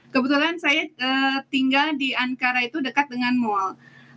kebetulan saya tinggal di ankara itu dekat dengan mal